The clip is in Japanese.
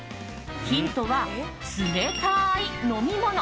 ヒントは冷たい飲み物。